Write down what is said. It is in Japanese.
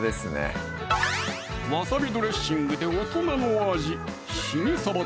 わさびドレッシングで大人の味